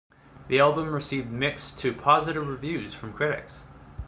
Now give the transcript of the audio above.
The album received mixed to positive reviews from critics.